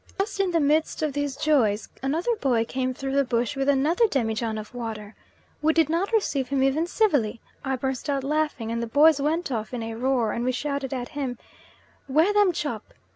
Just in the midst of these joys another boy came through the bush with another demijohn of water. We did not receive him even civilly; I burst out laughing, and the boys went off in a roar, and we shouted at him, "Where them chop?"